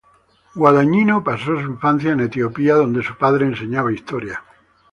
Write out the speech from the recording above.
Guadagnino pasó su infancia en Etiopía, donde su padre enseñaba Historia.